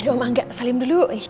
aduh oma angga salim dulu